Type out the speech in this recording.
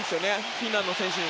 フィンランドの選手に。